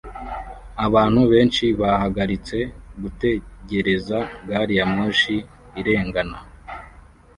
Abantu benshi bahagaritse gutegereza gari ya moshi irengana